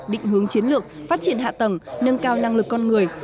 định hướng chiến lược phát triển hạ tầng nâng cao năng lực con người